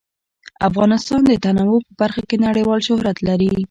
افغانستان د تنوع په برخه کې نړیوال شهرت لري.